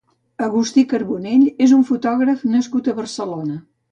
Agustí Carbonell és un fotògraf nascut a Barcelona.